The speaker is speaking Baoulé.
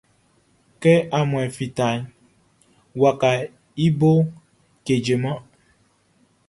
Kɛ aunmuanʼn fitaʼn, wakaʼn i boʼn kejeman.